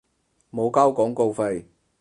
冇交廣告費